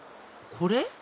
これ？